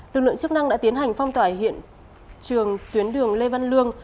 lực lượng chức năng đã tiến hành phong tỏa hiện trường tuyến đường lê văn lương